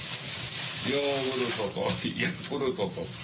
ヨーグルトとヤクルトと。